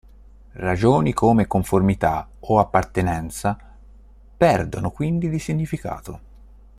Ragioni come conformità o appartenenza perdono quindi di significato.